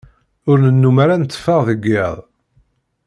Ur nennum ara netteffeɣ deg iḍ.